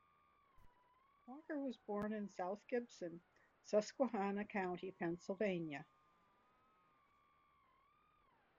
Walker was born in South Gibson, Susquehanna County, Pennsylvania.